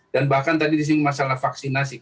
dan bahkan tadi di sini masalah vaksinasi